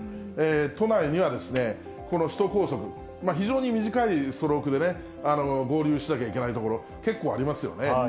都内にはこの首都高速、非常に短いストロークで合流しなきゃいけない所、結構ありますよね。